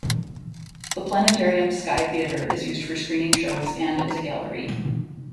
The planetarium's sky theatre is used for screening shows and as a gallery.